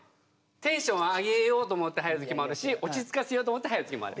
テンション上げようと思って入る時もあるし落ち着かせようと思って入る時もある。